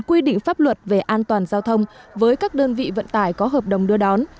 quy định pháp luật về an toàn giao thông với các đơn vị vận tải có hợp đồng đưa đón